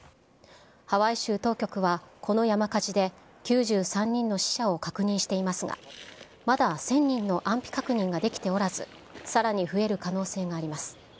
ハワイ州当局は、この山火事で９３人の死者を確認していますが、まだ１０００人の安否確認ができておらず、さらに増える可能性があります。